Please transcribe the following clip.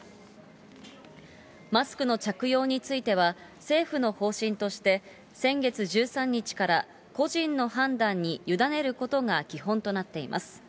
マスクの着用については、政府の方針として、先月１３日から個人の判断に委ねることが基本となっています。